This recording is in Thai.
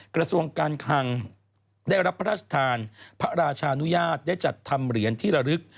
กระทรวงการคังได้รับพระราชทานพระราชานุญาตได้จัดทำเหรียญที่ระลึก